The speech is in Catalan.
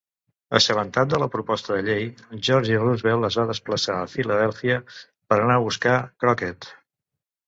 Assabentat de la proposta de llei, Georgie Russell es va desplaçar a Filadèlfia per anar a buscar Crockett.